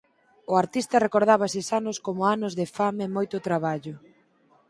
O artista recordaba eses anos como anos de fame e moito traballo.